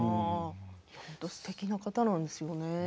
本当にすてきな方なんですよね。